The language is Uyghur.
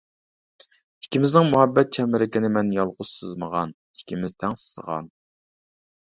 ئىككىمىزنىڭ مۇھەببەت چەمبىرىكىنى مەن يالغۇز سىزمىغان، ئىككىمىز تەڭ سىزغان.